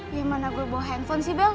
gimana gue bawa handphone sih bel